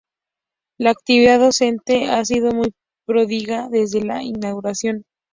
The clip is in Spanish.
La actividad docente ha sido muy pródiga desde la inauguración.